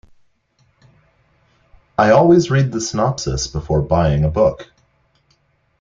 I always read the synopsis before buying a book.